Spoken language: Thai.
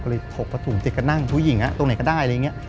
ก็เลยถกผัดถุงเจ็ดกันนั่งทุกหญิงตรงไหนก็ได้